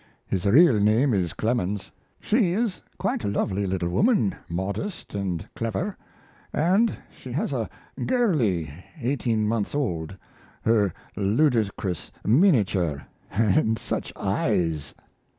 His real name is Clemens. She is a quite lovely little woman, modest and clever, and she has a girlie eighteen months old, her ludicrous miniature and such eyes!